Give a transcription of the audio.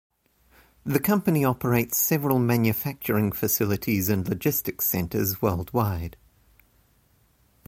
The company operates several manufacturing facilities and logistics centers worldwide.